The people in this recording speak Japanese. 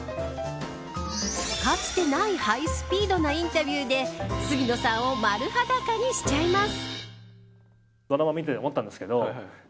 かつてないハイスピードなインタビューで杉野さんを丸裸にしちゃいます。